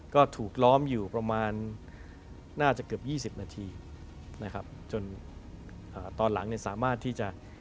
ก็ถูกล้อมอยู่ประมาณน่าจะเกือบ๒๐นาที